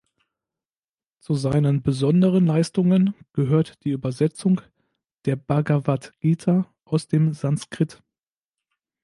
Zu seinen besonderen Leistungen gehört die Übersetzung der Bhagavadgita aus dem Sanskrit.